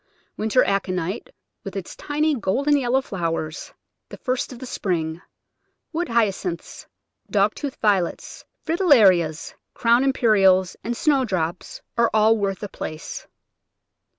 Winter Aconite, with its tiny, golden yellow flowers, the first of the spring; Wood Hyacinths, Dog tooth Violets, Fritil larias, Crown Imperials, and Snowdrops are all worth a place.